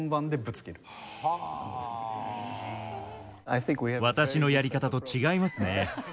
私のやり方と違いますね。